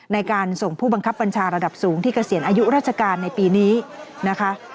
ในการส่งผู้บังคับบัญชาระดับสูงที่เกษียณอายุราชการในปีนี้นะคะ